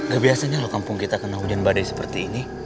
nah biasanya kalau kampung kita kena hujan badai seperti ini